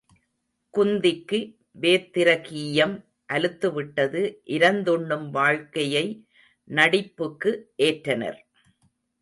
குந்திக்கு வேத்திரகீயம் அலுத்துவிட்டது இரந் துண்ணும் வாழ்க்கையை நடிப்புக்கு ஏற்றனர்.